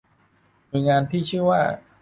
หน่วยงานที่ชื่อว่า